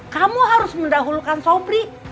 kamu harus mendahulukan sobri